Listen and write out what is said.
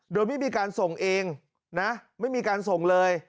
โดยไม่มีการส่งเองนะไม่มีการส่งเลย